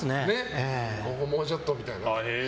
もうちょっとみたいな。